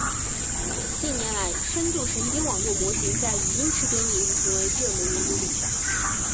近年来，深度神经网络模型在语音识别领域成为热门研究对象。